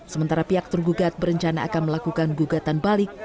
sementara pihak tergugat berencana akan melakukan gugatan balik